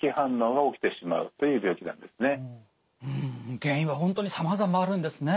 原因は本当にさまざまあるんですね。